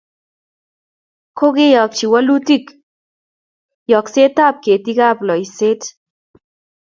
Kokeyochi walutiik yokseetab ketiikab loiseet.